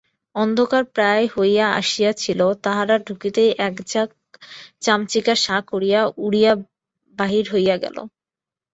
অন্ধকারপ্রায় হইয়া আসিয়াছিল- তাঁহারা ঢুকিতেই এক ঝাঁক চামচিকা সাঁ করিয়া উড়িয়া বাহির হইয়া গেল।